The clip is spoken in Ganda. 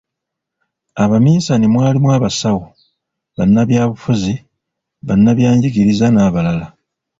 "Abaminsani mwalimu abasawo, bannabyabufuzi, bannabyanjigiriza n’abalala."